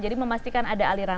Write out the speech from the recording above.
jadi memastikan ada aliran air